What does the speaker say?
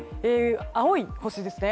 青い星ですね。